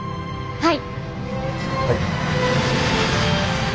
はい。